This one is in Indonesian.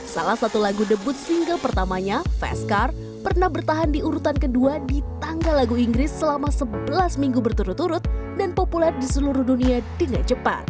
salah satu lagu debut single pertamanya vescar pernah bertahan di urutan kedua di tangga lagu inggris selama sebelas minggu berturut turut dan populer di seluruh dunia dengan cepat